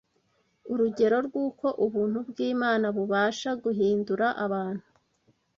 urugero rw’uko ubuntu bw’Imana bubasha guhindura abantu